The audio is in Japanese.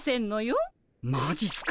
マジっすか？